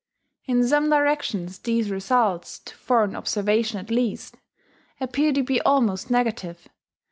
In some directions these results, to foreign observation at least, appear to be almost negative.